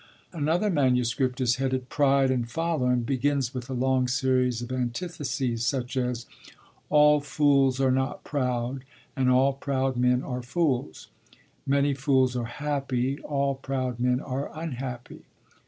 Another manuscript is headed 'Pride and Folly,' and begins with a long series of antitheses, such as: 'All fools are not proud, and all proud men are fools. Many fools are happy, all proud men are unhappy.'